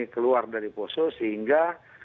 keluar dari pusuh sehingga